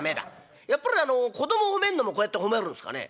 「やっぱりあの子供褒めんのもこうやって褒めるんですかね？」。